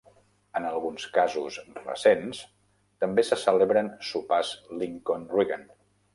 En alguns casos recents també se celebren sopars Lincoln-Reagan.